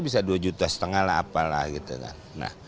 bisa dua juta setengah lah apa lah gitu kan